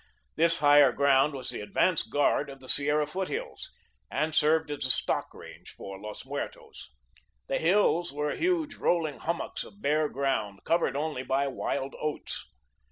This higher ground was the advance guard of the Sierra foothills, and served as the stock range for Los Muertos. The hills were huge rolling hummocks of bare ground, covered only by wild oats.